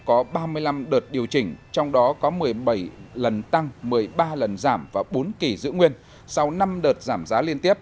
có ba mươi năm đợt điều chỉnh trong đó có một mươi bảy lần tăng một mươi ba lần giảm và bốn kỳ giữ nguyên sau năm đợt giảm giá liên tiếp